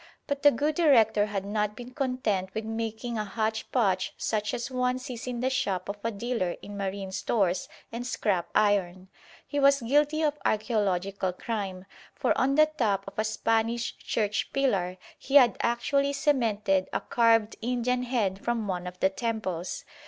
But the good director had not been content with making a hotchpotch such as one sees in the shop of a dealer in marine stores and scrap iron. He was guilty of archæological crime, for on the top of a Spanish church pillar he had actually cemented a carved Indian head from one of the temples.